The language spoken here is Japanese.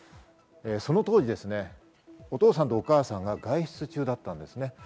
その当時、お父さんとお母さんは外出中だったんですね。